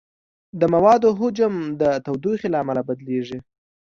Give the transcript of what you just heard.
د موادو حجم د تودوخې له امله بدلېږي.